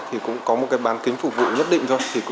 thì cũng có một cái bán kính phục vụ nhất định thôi